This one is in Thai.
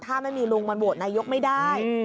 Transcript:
ถ้าไม่มีลุงมันโหวตนายกไม่ได้